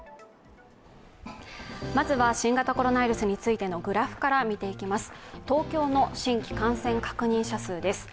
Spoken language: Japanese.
まずは新型コロナウイルスについてのグラフから見ていきます。